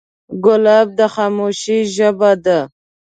ګلاب د خاموشۍ ژبه ده.